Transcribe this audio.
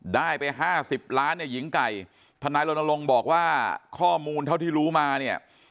ได้ไป๕๐ล้านเนี่ยหญิงไก่ทนายรณรงค์บอกว่าข้อมูลเท่าที่รู้มาเนี่ย